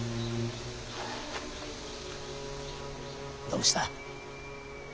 どうした。